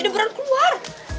udah buruan keluar